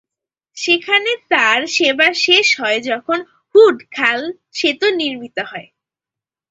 সেখানে তার সেবা শেষ হয় যখন হুড খাল সেতু নির্মিত হয়।